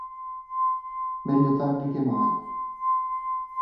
Meglio tardi che mai.